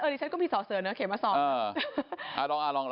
ดิฉันก็มีสอเสือเนี่ยเขียนให้สอง